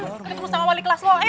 kita terus sama wali kelas lu ayo